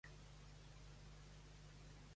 L'equip gran canari baixa a Segona.